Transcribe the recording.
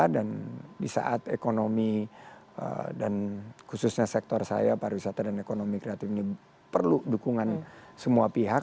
dan di saat ekonomi dan khususnya sektor saya pariwisata dan ekonomi kreatif ini perlu dukungan semua pihak